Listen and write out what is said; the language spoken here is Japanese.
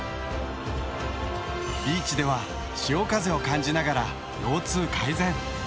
ビーチでは潮風を感じながら腰痛改善。